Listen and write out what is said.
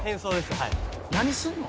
「何するの？」